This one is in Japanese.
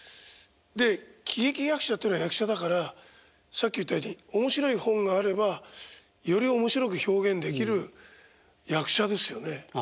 で喜劇役者っていうのは役者だからさっき言ったように面白い本があればより面白く表現できる役者ですよね。